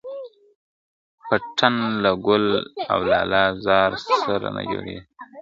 پتڼ له ګل او لاله زاره سره نه جوړیږي ..